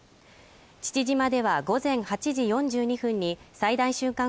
父島では午前８時４２分に最大瞬間